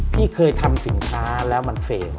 พี่เคยทำสินค้าแล้วมันเทรนด